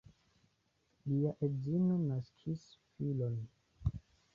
Lia edzino naskis filon.